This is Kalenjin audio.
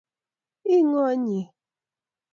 Ii ngo inye?